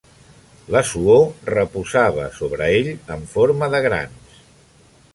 La suor reposava sobre ell en forma de grans.